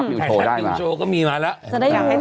ยันเที่ยวไทรธนิวโชว์ก็มีรึง